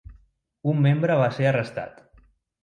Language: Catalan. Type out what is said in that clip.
Un membre va ser arrestat.